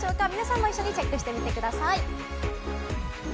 皆さんも一緒にチェックしてみてください。